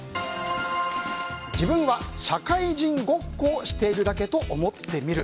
自分は社会人ごっこをしているだけと思ってみる。